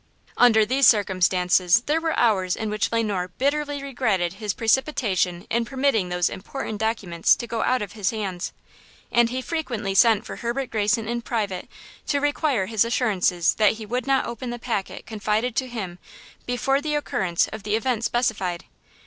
Under these circumstances there were hours in which Le Noir bitterly regretted his precipitation in permitting those important documents to go out of his own hands. And he frequently sent for Herbert Greyson in private to require his assurances that he would not open the packet confided to him before the occurrence of the event specified.